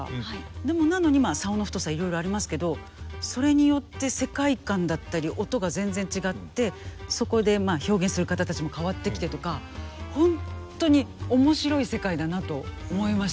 でもなのに棹の太さいろいろありますけどそれによって世界観だったり音が全然違ってそこで表現する方たちも変わってきてとかホントに面白い世界だなと思いました。